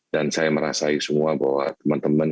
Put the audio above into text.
saya merasai semua bahwa teman teman